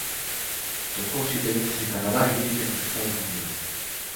Tocó siete veces en Canadá y diez en los Estados Unidos.